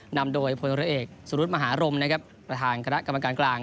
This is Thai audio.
นำโดยผู้นรักเอกสรุทธ์มหารมประธานคณะกรรมการกลาง